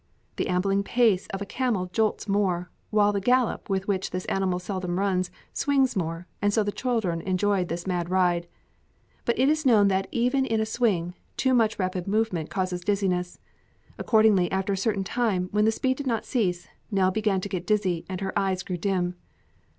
The ambling pace of a camel jolts more, while the gallop with which this animal seldom runs, swings more; so the children enjoyed this mad ride. But it is known that even in a swing, too much rapid movement causes dizziness. Accordingly, after a certain time, when the speed did not cease, Nell began to get dizzy and her eyes grew dim.